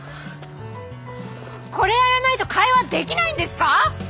これやらないと会話できないんですか！？